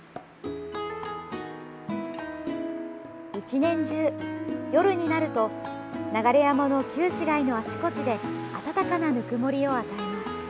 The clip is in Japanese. １年中、夜になると流山の旧市街のあちこちで温かなぬくもりを与えます。